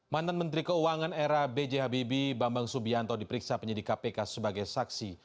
mantan menteri keuangan era bjhbb bambang subianto diperiksa penyidik kpk sebagai saksi